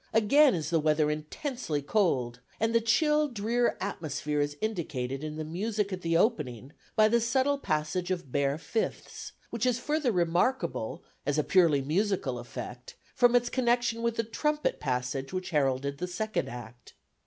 Again is the weather intensely cold, and the chill drear atmosphere is indicated in the music at the opening by the subtle passage of bare fifths, which is further remarkable as a purely musical effect from its connection with the trumpet passage which heralded the second Act.